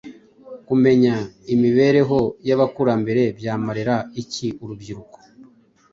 Kumenya imibereho y’ abakurambere byamarira iki urubyiruko?